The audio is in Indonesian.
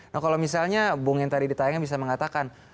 nah kalau misalnya bung yang tadi ditayangkan bisa mengatakan